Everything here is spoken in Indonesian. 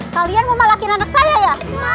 kalian mau malakin anak saya ya